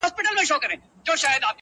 شېرینو نور له لسټوڼي نه مار باسه.